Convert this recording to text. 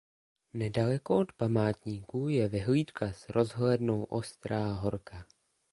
Nedaleko od památníku je vyhlídka s rozhlednou Ostrá horka.